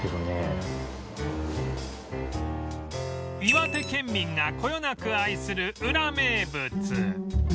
岩手県民がこよなく愛するウラ名物